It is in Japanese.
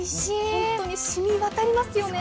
本当にしみわたりますよね。